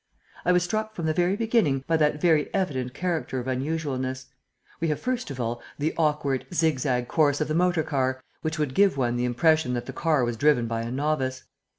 "I was struck from the very beginning by that very evident character of unusualness. We have, first of all, the awkward, zigzag course of the motor car, which would give one the impression that the car was driven by a novice.